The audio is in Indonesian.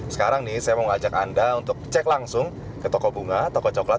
sekarang nih saya mau ngajak anda untuk cek langsung ke toko bunga toko coklat